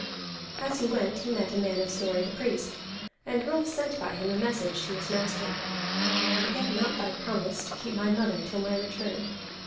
As he went he met a man of Snorri the Priest, and Rolf sent by him a message to his master: "Forget not thy promise to keep my mother till my return."